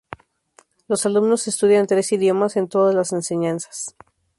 Los alumnos estudian tres idiomas en todas las enseñanzas.